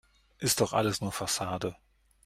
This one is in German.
Ist doch alles nur Fassade.